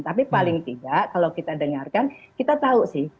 tapi paling tidak kalau kita dengarkan kita tahu sih